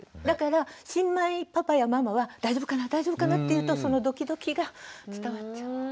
だから新米パパやママは大丈夫かな大丈夫かなっていうとそのドキドキが伝わっちゃう。